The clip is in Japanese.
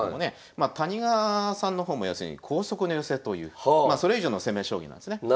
まあ谷川さんの方も要するに光速の寄せというまあそれ以上の攻め将棋なんですね。